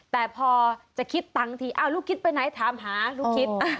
แต่พอจะคิดตังค์ทีอ้าวลูกคิดไปไหนถามหาลูกคิด